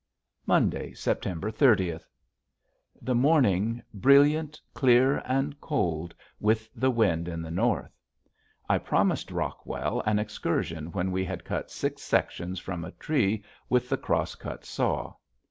Monday, September thirtieth. The morning brilliant, clear, and cold with the wind in the north. I promised Rockwell an excursion when we had cut six sections from a tree with the cross cut saw.